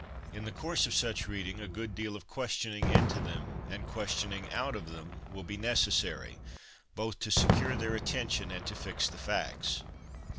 In the course of such reading a good deal of questioning into them, and questioning out of them, will be necessary, both to secure their attention and to fix the facts.